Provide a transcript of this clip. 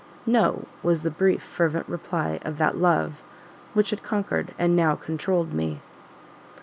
"No," was the brief, fervent reply of that Love which had conquered and now controlled me.